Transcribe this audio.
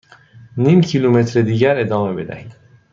نیم کیلومتر دیگر ادامه بدهید.